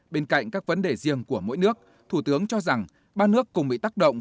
bên cạnh các vấn đề riêng của mỗi nước thủ tướng cho rằng ba nước cùng bị tác động